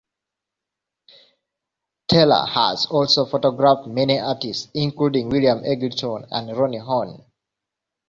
Teller has also photographed many artists, including William Eggleston and Roni Horn.